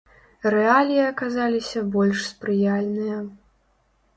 Рэаліі аказаліся больш спрыяльныя.